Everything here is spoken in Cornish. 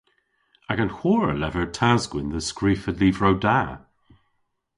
Agan hwor a lever tas-gwynn dhe skrifa lyvrow da.